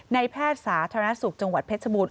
ในแพทย์สาธารณสุขจมเพชรชบูรณ์